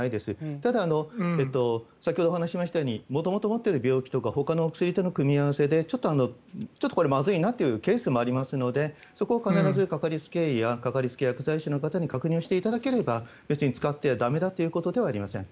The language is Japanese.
ただ、先ほど話したように元々持っている病気とかほかの薬の組み合わせでちょっと、まずいなというケースもありますのでそこは必ずかかりつけ医に確認していただければ使って駄目だということではありません。